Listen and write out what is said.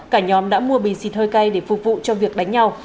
cả nhóm đã mua bình xịt hơi cay để phục vụ cho việc đánh nhau